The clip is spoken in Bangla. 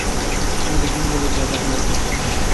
আমি রুটিনে দেখেছি, আজ আপনার এখানে ক্লাস।